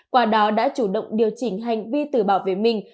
quả đó đã chủ động điều chỉnh hành vi tử bảo về mình